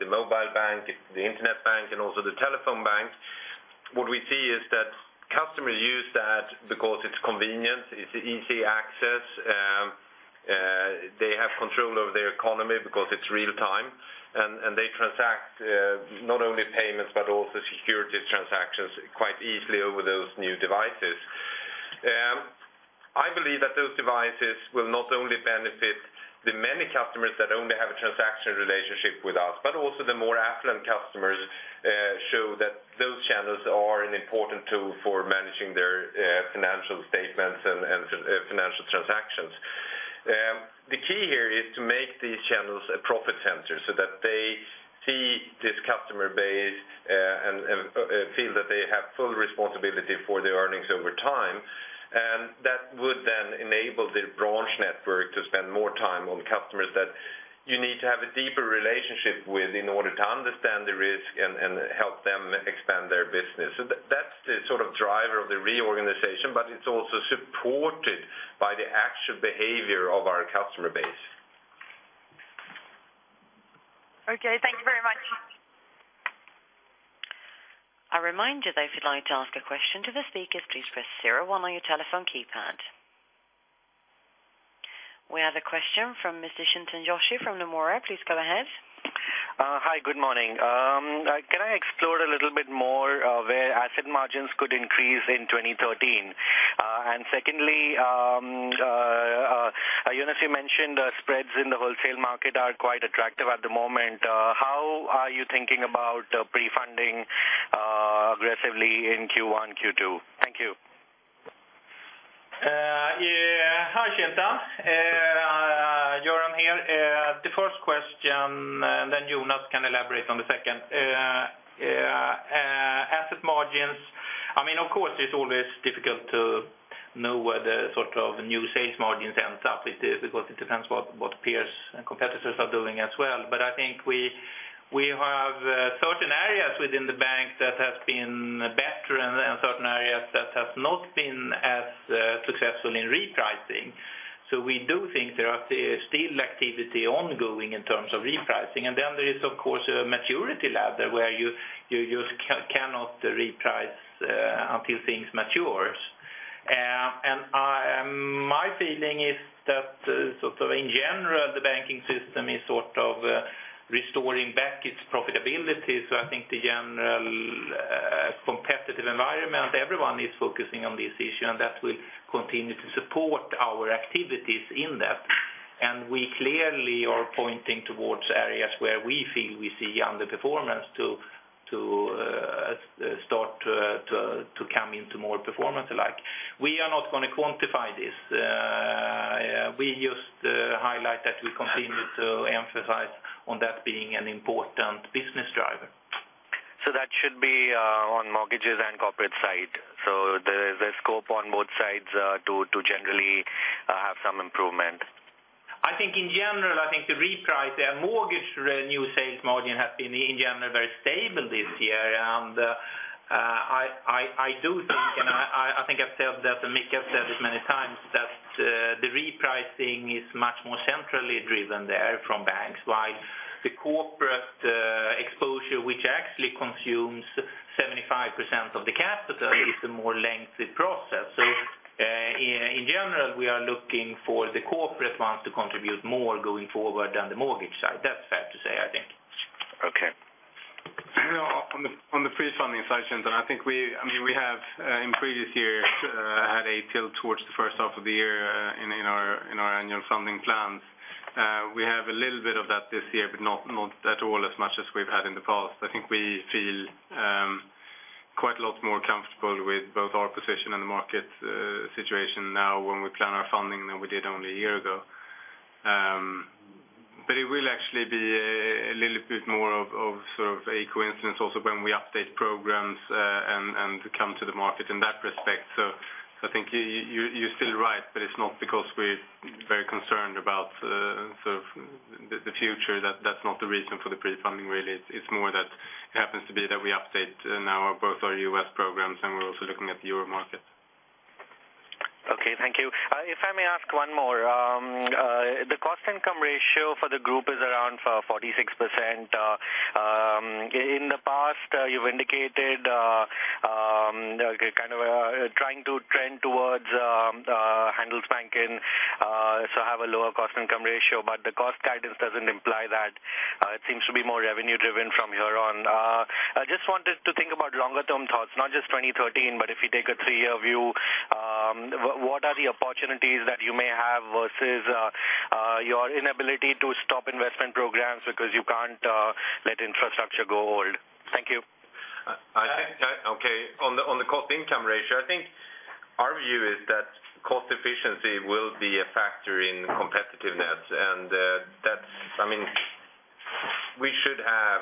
the mobile bank, the internet bank, and also the telephone bank, what we see is that customers use that because it's convenient, it's easy access, they have control over their economy because it's real time, and they transact not only payments, but also securities transactions quite easily over those new devices. I believe that those devices will not only benefit the many customers that only have a transaction relationship with us, but also the more affluent customers show that those channels are an important tool for managing their financial statements and financial transactions.... The key here is to make these channels a profit center, so that they see this customer base, and feel that they have full responsibility for their earnings over time. And that would then enable the branch network to spend more time on customers that you need to have a deeper relationship with in order to understand the risk and help them expand their business. So that, that's the sort of driver of the reorganization, but it's also supported by the actual behavior of our customer base. Okay, thank you very much. A reminder, that if you'd like to ask a question to the speakers, please press zero-one on your telephone keypad. We have a question from Mr. Chintan Joshi from Nomura. Please go ahead. Hi, good morning. Can I explore a little bit more, where asset margins could increase in 2013? And secondly, Jonas, you mentioned spreads in the wholesale market are quite attractive at the moment. How are you thinking about prefunding, aggressively in Q1, Q2? Thank you. Yeah. Hi, Chintan. Göran here. The first question, then Jonas can elaborate on the second. Yeah, asset margins, I mean, of course, it's always difficult to know where the sort of new sales margins ends up. It is because it depends what, what peers and competitors are doing as well. But I think we, we have certain areas within the bank that have been better and, and certain areas that have not been as successful in repricing. So we do think there are still activity ongoing in terms of repricing. And then there is, of course, a maturity ladder where you, you just cannot reprice until things matures. And my feeling is that, sort of, in general, the banking system is sort of restoring back its profitability. So I think the general, competitive environment, everyone is focusing on this issue, and that will continue to support our activities in that. And we clearly are pointing towards areas where we feel we see underperformance to start to come into more performance alike. We are not going to quantify this. We just highlight that we continue to emphasize on that being an important business driver. That should be on mortgages and corporate side. There is a scope on both sides to generally have some improvement. I think in general, I think the reprice there, mortgage new sales margin have been, in general, very stable this year. And, I do think, and I think I've said that, and Micke said it many times, that, the repricing is much more centrally driven there from banks, while the corporate, exposure, which actually consumes 75% of the capital, is a more lengthy process. So, in general, we are looking for the corporate ones to contribute more going forward than the mortgage side. That's fair to say, I think. Okay. On the prefunding side, Chintan, I think we—I mean, we have in previous years had a tilt towards the first half of the year in our annual funding plans. We have a little bit of that this year, but not at all as much as we've had in the past. I think we feel quite a lot more comfortable with both our position and the market situation now when we plan our funding than we did only a year ago. But it will actually be a little bit more of sort of a coincidence also when we update programs and come to the market in that respect. So I think you, you're still right, but it's not because we're very concerned about the future. That's not the reason for the prefunding, really. It's more that it happens to be that we update now both our U.S. programs, and we're also looking at the Euro market. Okay, thank you. If I may ask one more. The cost income ratio for the group is around 46%. In the past, you've indicated, kind of, trying to trend towards Handelsbanken, so have a lower cost income ratio, but the cost guidance doesn't imply that. It seems to be more revenue-driven from here on. I just wanted to think about longer-term thoughts, not just 2013, but if you take a three-year view, what are the opportunities that you may have versus your inability to stop investment programs because you can't let infrastructure go old? Thank you. I think on the cost income ratio, I think our view is that cost efficiency will be a factor in competitiveness. And that's, I mean, we should have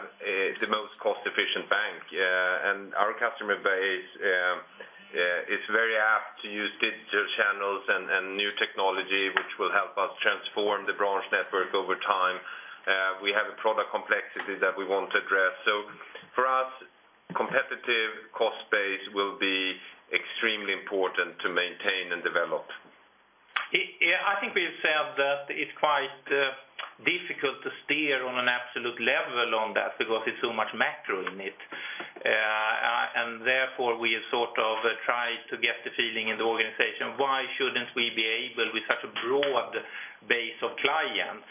the most cost-efficient bank. And our customer base is very apt to use digital channels and new technology, which will help us transform the branch network over time. We have a product complexity that we want to address. So for us, competitive cost base will be extremely important to maintain and develop. Yeah, I think we said that it's quite difficult to steer on an absolute level on that because it's so much macro in it. And therefore, we sort of try to get the feeling in the organization, why shouldn't we be able, with such a broad base of clients,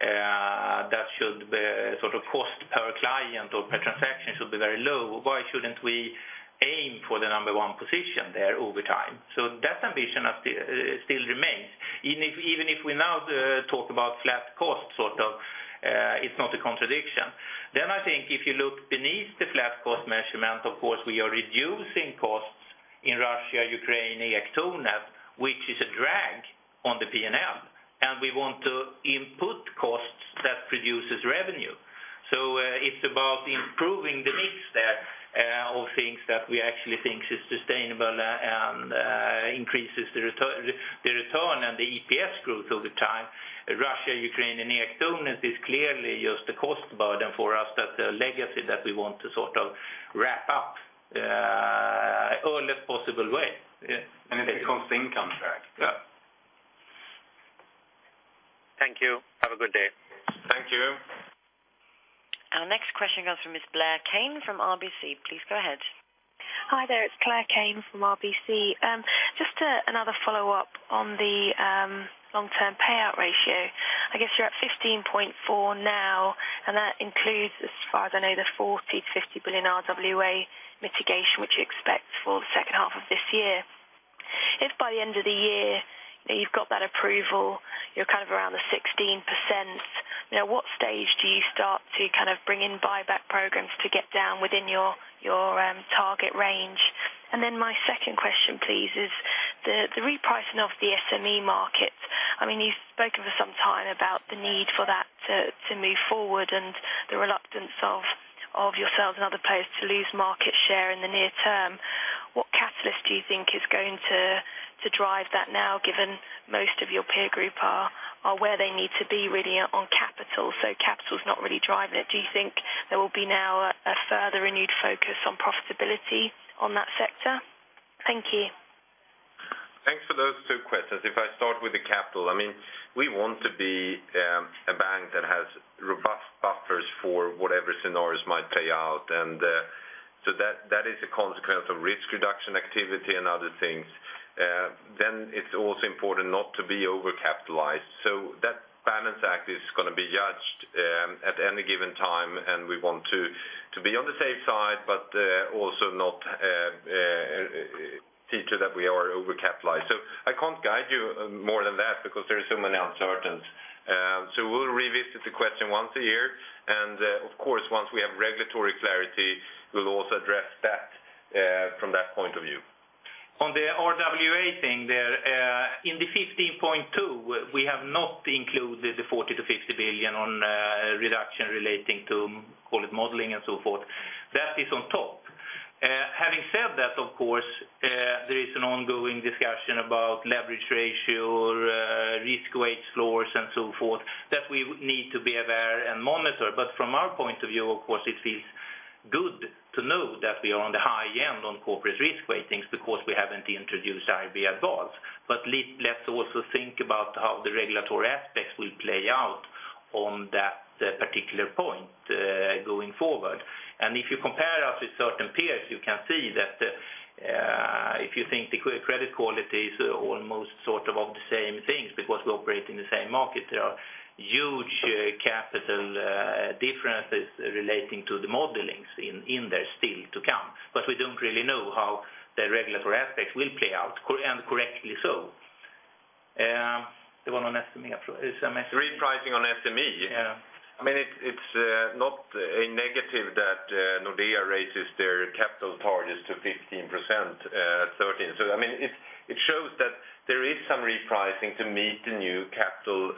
that should be sort of cost per client or per transaction should be very low, why shouldn't we aim for the number one position there over time? So that ambition still remains. Even if, even if we now talk about flat costs, it's not a contradiction. Then I think if you look beneath the flat cost measurement, of course, we are reducing costs in Russia, Ukraine, Ektornet, which is a drag on the P&L, and we want to input costs that produces revenue. So, it's about improving the mix there, of things that we actually think is sustainable and, increases the return, the return and the EPS growth over time. Russia, Ukraine, and Ektornet is clearly just a cost burden for us, that's a legacy that we want to sort of wrap up, earliest possible way. Yeah, and it becomes income drag. Yeah. Thank you. Have a good day. Thank you. Our next question comes from Ms. Claire Kane from RBC. Please go ahead. Hi there, it's Claire Kane from RBC. Just another follow-up on the long-term payout ratio. I guess you're at 15.4 now, and that includes, as far as I know, the 40 billion -50 billion RWA mitigation, which you expect for the second half of this year. If by the end of the year, you've got that approval, you're kind of around the 16%. Now, what stage do you start to kind of bring in buyback programs to get down within your target range? And then my second question, please, is the repricing of the SME market. I mean, you've spoken for some time about the need for that to move forward and the reluctance of yourselves and other players to lose market share in the near term. What catalyst do you think is going to drive that now, given most of your peer group are where they need to be really on capital, so capital is not really driving it. Do you think there will be now a further renewed focus on profitability on that sector? Thank you. Thanks for those two questions. If I start with the capital, I mean, we want to be a bank that has robust buffers for whatever scenarios might play out, and so that is a consequence of risk reduction activity and other things. Then it's also important not to be overcapitalized. So that balance act is gonna be judged at any given time, and we want to be on the safe side, but also not feature that we are overcapitalized. So I can't guide you more than that because there are so many uncertainties. So we'll revisit the question once a year, and of course, once we have regulatory clarity, we'll also address that from that point of view. On the RWA thing there, in the 15.2, we have not included the 40 billion-50 billion on, reduction relating to call it modeling and so forth. That is on top. Having said that, of course, there is an ongoing discussion about leverage ratio, risk weight floors, and so forth, that we need to be aware and monitor. But from our point of view, of course, it feels good to know that we are on the high end on corporate risk weightings because we haven't introduced IRB Advanced. But let's also think about how the regulatory aspects will play out on that particular point, going forward. If you compare us with certain peers, you can see that if you think the credit quality is almost sort of the same things because we operate in the same market, there are huge capital differences relating to the modeling in there still to come. But we don't really know how the regulatory aspects will play out, and correctly so. There is no SME approach; it's SME. Repricing on SME? Yeah. I mean, it's not a negative that Nordea raises their capital targets to 15%, 13. So, I mean, it shows that there is some repricing to meet the new capital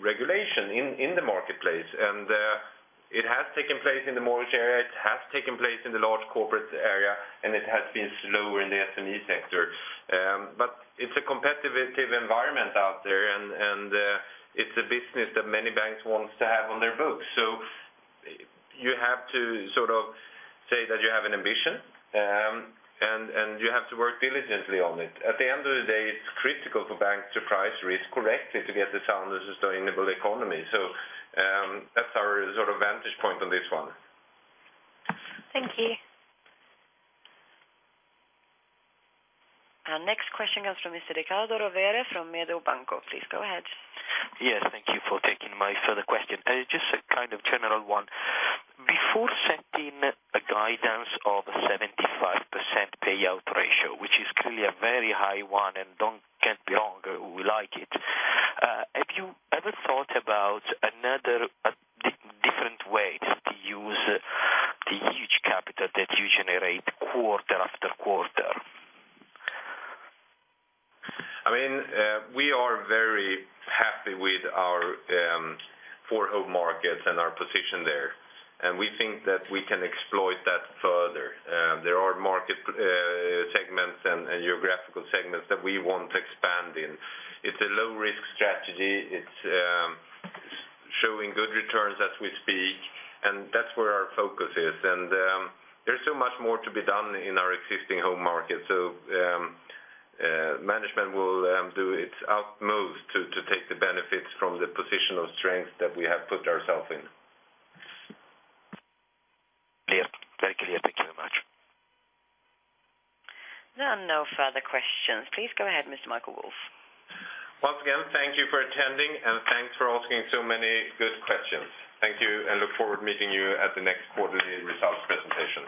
regulation in the marketplace, and it has taken place in the mortgage area, it has taken place in the large corporate area, and it has been slower in the SME sector. But it's a competitive environment out there, and it's a business that many banks wants to have on their books. So you have to sort of say that you have an ambition, and you have to work diligently on it. At the end of the day, it's critical for bank to price risk correctly to get the sound and sustainable economy. So, that's our sort of vantage point on this one. Thank you. Our next question comes from Mr. Riccardo Rovere from Mediobanca. Please go ahead. Yes, thank you for taking my further question. Just a kind of general one. Before setting a guidance of 75% payout ratio, which is clearly a very high one and don't get beyond we like it. Have you ever thought about another, a different way to use the huge capital that you generate quarter after quarter? I mean, we are very happy with our four home markets and our position there, and we think that we can exploit that further. There are market segments and geographical segments that we want to expand in. It's a low-risk strategy. It's showing good returns as we speak, and that's where our focus is. And there's so much more to be done in our existing home market. So, management will do its utmost to take the benefits from the position of strength that we have put ourselves in. Yes, very clear. Thank you very much. There are no further questions. Please go ahead, Mr. Michael Wolf. Once again, thank you for attending, and thanks for asking so many good questions. Thank you, and look forward to meeting you at the next quarterly results presentation.